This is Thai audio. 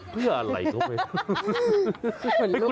เพื่ออะไรตัวเนี่ย